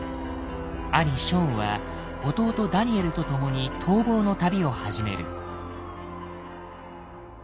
兄ショーンは弟ダニエルと共に逃亡の旅を始める。